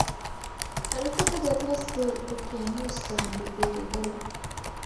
الوتکه د اطلس پر اقیانوس باندې تېرېدله